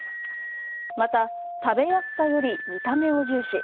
また、食べやすさより見た目を重視。